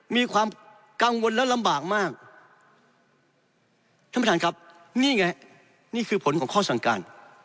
มีความกังวลและลำบากมากท่านประธานครับนี่ไงนี่คือผลของข้อสั่งการ